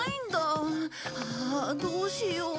ああどうしよう。